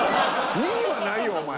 ２位はないよお前。